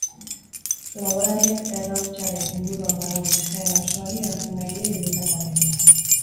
Laborariek errautsaren inguruan dagoen eskaera osoari erantzun nahi die bildutakoarekin.